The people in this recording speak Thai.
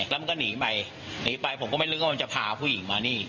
แล้วมันก็หนีไปหนีไปผมก็ไม่นึกว่ามันจะพาผู้หญิงมานี่